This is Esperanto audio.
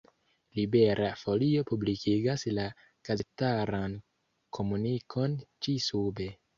Libera Folio publikigas la gazetaran komunikon ĉi-sube.